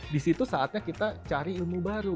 di situ saatnya kita cari ilmu baru